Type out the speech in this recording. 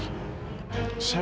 saya sangat mengerti